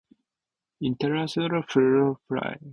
Ethical standards in the discipline have changed over time.